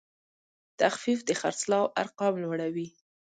تخفیف د خرڅلاو ارقام لوړوي.